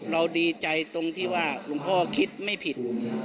ดีใจตรงที่ว่าหลวงพ่อคิดไม่ผิด